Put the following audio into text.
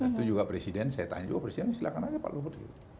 itu juga presiden saya tanya juga presiden silahkan aja pak luhut